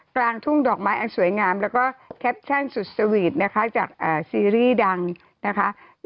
กลางทุ่งดอกไม้อันสวยงามแล้วก็แคปชั่นสุดสวีทนะคะจากซีรีส์ดังนะคะ